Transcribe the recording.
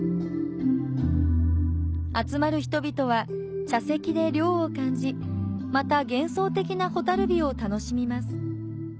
集まる人々は、茶席で涼を感じ、また幻想的な蛍火を楽しみます。